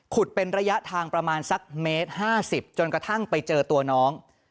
เป็นระยะทางประมาณสักเมตร๕๐จนกระทั่งไปเจอตัวน้อง